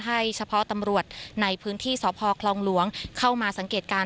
ให้เฉพาะตำรวจในพื้นที่สพคลองหลวงเข้ามาสังเกตการณ์